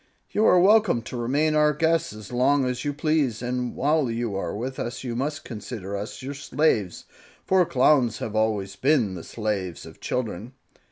You are welcome to remain our guests as long as you please, and while you are with us you must consider us your slaves, for Clowns have always been the slaves of children."